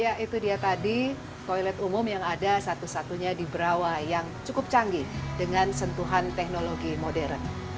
ya itu dia tadi toilet umum yang ada satu satunya di brawa yang cukup canggih dengan sentuhan teknologi modern